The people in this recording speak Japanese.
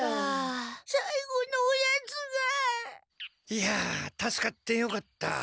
いや助かってよかった！